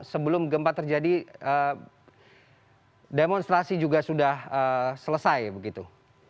sebelum gempa terjadi demonstrasi juga sudah selesai begitu